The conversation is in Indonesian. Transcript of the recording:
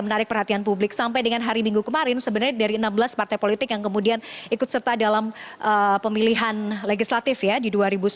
menarik perhatian publik sampai dengan hari minggu kemarin sebenarnya dari enam belas partai politik yang kemudian ikut serta dalam pemilihan legislatif ya di dua ribu sembilan belas